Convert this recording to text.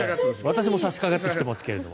私も差しかかってきていますが。